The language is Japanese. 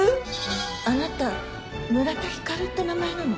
あなた村田光って名前なの？